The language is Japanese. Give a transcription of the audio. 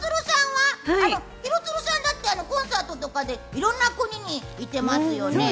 廣津留さんだったらコンサートとかで色んな国に行ってますよね。